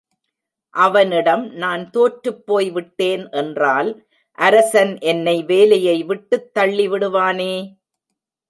அவனிடம் நான் தோற்றுப்போய் விட்டேன் என்றால் அரசன் என்னை வேலையை விட்டுத் தள்ளிவிடுவானே!